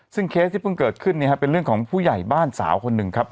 ซึ่งเคสที่เพิ่งเกิดขึ้นเป็นเรื่องของผู้ใหญ่บ้านสาวคนหนึ่งครับ